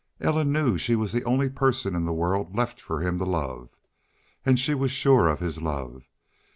Ellen knew she was the only person in the world left for him to love. And she was sure of his love.